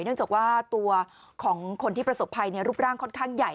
เนื่องจากว่าตัวของคนที่ประสบภัยรูปร่างค่อนข้างใหญ่